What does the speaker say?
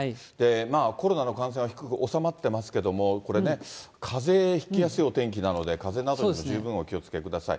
コロナの感染が低く収まってますけども、これね、かぜひきやすいお天気なので、かぜなどに十分お気をつけください。